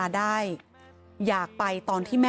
คุณผู้ชมค่ะคุณผู้ชมค่ะ